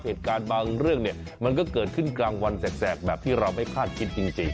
เหตุการณ์บางเรื่องเนี่ยมันก็เกิดขึ้นกลางวันแสกแบบที่เราไม่คาดคิดจริง